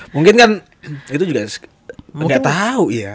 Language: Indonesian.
mungkin kan itu juga ga tau ya